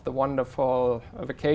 và văn hóa chắc chắn